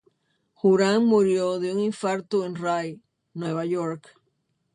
Juran murió de un infarto en Rye, Nueva York.